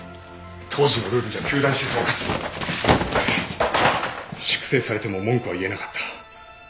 当時のルールじゃ糾弾して総括粛清されても文句は言えなかった。